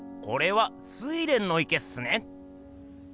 これは「睡蓮の池」っすね。